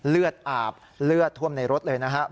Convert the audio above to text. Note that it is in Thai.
เลือดอาบเลือดท่วมในรถเลยนะครับ